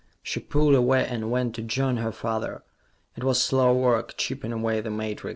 She pulled away and went to join her father. It was slow work, chipping away the matrix.